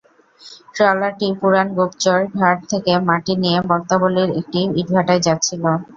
ট্রলারটি পুরান গোপচর ঘাট থেকে মাটি নিয়ে বক্তাবলীর একটি ইটভাটায় যাচ্ছিল।